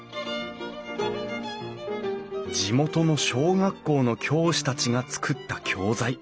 地元の小学校の教師たちが作った教材。